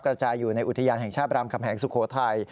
กระจายอยู่ในอุทยานแห่งชาติรามคำแหงสุโขทัย